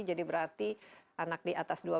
jadi berarti anak diatas